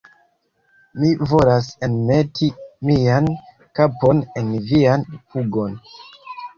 Mi volas enmeti mian kapon en vian pugon!